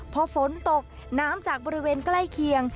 พอฝนตกน้ำจากบริเวณใกล้เคียง